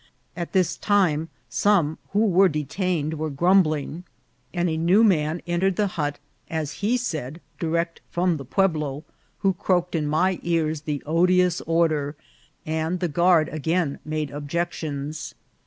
At this time some who were detained were grumbling, and a new man entered VOL. II.— E 34 INCIDENTS OF TRAVEL. the hut, as he said direct from the Pueblo, who croaked in my ears the odious order, and the guard again made objections.